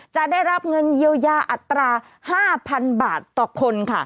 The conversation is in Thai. จะได้รับเงินเยียวยาอัตรา๕๐๐๐บาทต่อคนค่ะ